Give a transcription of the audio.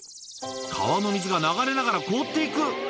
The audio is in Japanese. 川の水が流れながら凍っていく。